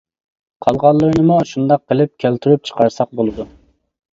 قالغانلىرىنىمۇ شۇنداق قىلىپ كەلتۈرۈپ چىقارساق بولىدۇ.